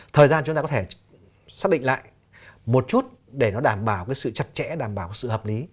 thời gian chúng ta có thể xác định lại một chút để nó đảm bảo cái sự chặt chẽ đảm bảo sự hợp lý